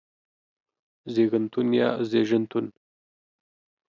زيږنتون يا زيژنتون